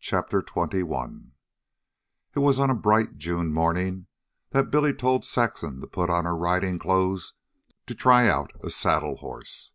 CHAPTER XXI It was on a bright June morning that Billy told Saxon to put on her riding clothes to try out a saddle horse.